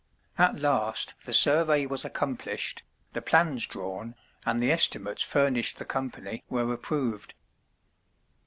At last the survey was accomplished, the plans drawn, and the estimates furnished the company, were approved.